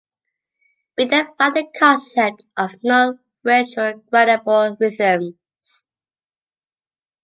We then find the concept of non retro-gradable rhythms.